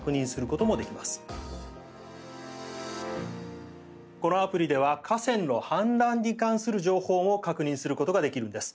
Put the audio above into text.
このアプリでは河川の氾濫に関する情報を確認することができるんです。